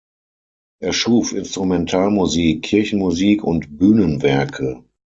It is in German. Er schuf Instrumentalmusik, Kirchenmusik und Bühnenwerke.